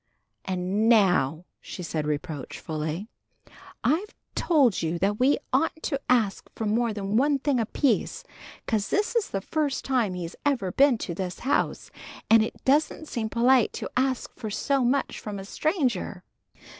"And now," she added reproachfully, "I've told you that we oughtn't to ask for more than one thing apiece, 'cause this is the first time he's ever been to this house, and it doesn't seem polite to ask for so much from a stranger."